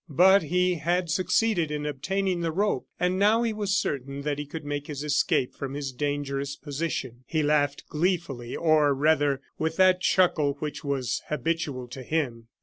But he had succeeded in obtaining the rope, and now he was certain that he could make his escape from his dangerous position. He laughed gleefully, or rather with that chuckle which was habitual to him.